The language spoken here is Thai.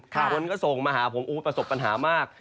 คนก็ส่งมาหาผมประสบปัญหามาก